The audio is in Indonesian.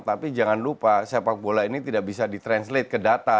tapi jangan lupa sepak bola ini tidak bisa ditranslate ke data